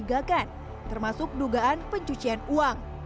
termasuk dugaan pencucian uang